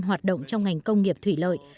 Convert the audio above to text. hoạt động trong ngành công nghiệp thủy lợi